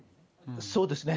そうですね。